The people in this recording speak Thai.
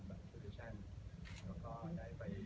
แล้วก็ได้ไปคุยกับเขาหลายรอบก่อนที่จะถึงวันนี้